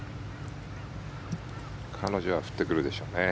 彼女は振ってくるでしょうね。